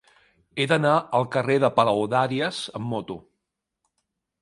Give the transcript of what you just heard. He d'anar al carrer de Palaudàries amb moto.